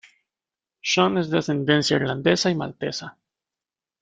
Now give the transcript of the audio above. Shaun es de ascendencia irlandesa y maltesa.